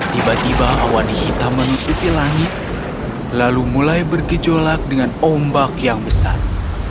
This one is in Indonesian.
tiba tiba awan hitam menutupi langit lalu mulai bergejolak dengan ombak yang besar